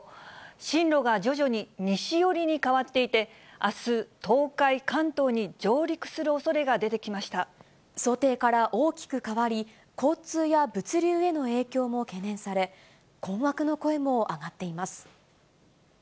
進路が徐々に西寄りに変わっていて、あす、東海、関東に上陸する想定から大きく変わり、交通や物流への影響も懸念され、困惑の声も上がっています。